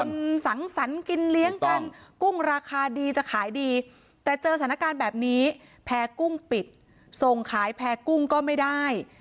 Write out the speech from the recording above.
มันสังสรรค์กินเลี้ยงกันกุ้งราคาดีจะขายดีแต่เจอสถานการณ์แบบนี้แพร่กุ้งปิดส่งขายแพร่กุ้งก็ไม่ได้